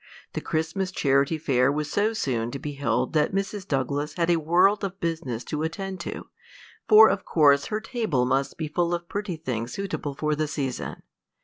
The Christmas Charity Fair was so soon to be held that Mrs. Douglas had a world of business to attend to, for of course her table must be full of pretty things suitable for the season.